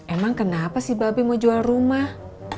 emang kenapa sih babi mau jual rumah